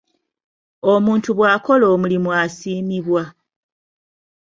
Omuntu bw'akola omulimu asiimibwa.